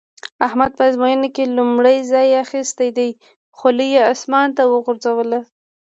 احمد په ازموينه کې لومړی ځای اخيستی دی؛ خولۍ يې اسمان ته وغورځوله.